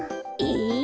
ええ！？